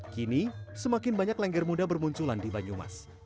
kini semakin banyak lengger muda bermunculan di banyumas